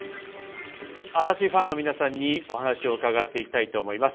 嵐ファンの皆さんにお話を伺っていきたいと思います。